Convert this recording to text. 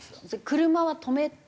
車は止めて？